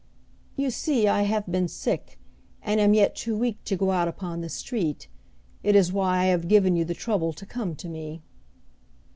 "You see, I have been sick, and am yet too weak to go out upon the street. It is why I have given you the trouble to come to me."